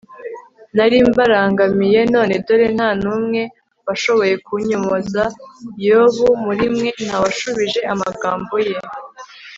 nari mbarangamiye. none dore nta n'umwe washoboye kunyomoza yobu, muri mwe nta washubije amagambo ye